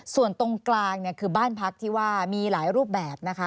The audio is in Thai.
ส่วนตรงกลางคือบ้านพักที่ว่ามีหลายรูปแบบ